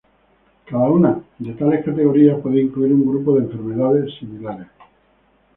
Cada una de tales categorías puede incluir un grupo de enfermedades similares.